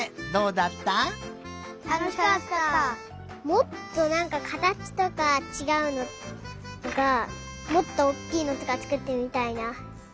もっとなんかかたちとかちがうのとかもっとおっきいのとかつくってみたいな。